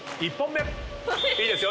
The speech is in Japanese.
いいですよ